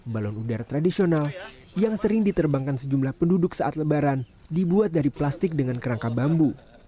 balon udara tradisional yang sering diterbangkan sejumlah penduduk saat lebaran dibuat dari plastik dengan kerangka bambu